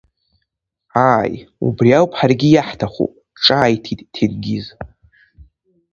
Ааи, убри ауп ҳаргьы иаҳҭаху, ҿааиҭит Ҭенгиз.